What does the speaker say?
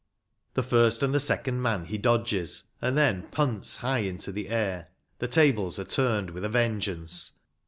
The first and the second man he dodges, and then punts high into the air. The tables are turned with a vengeance.